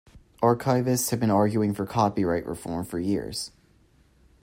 Archivists have been arguing for copyright reform for years.